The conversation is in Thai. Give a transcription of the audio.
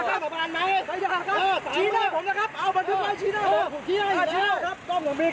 ตอนแรกนึกว่าเรื่องจะจบแล้วแต่ยังไม่จบ